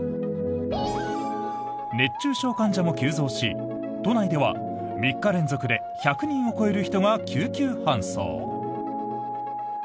熱中症患者も急増し都内では３日連続で１００人を超える人が救急搬送。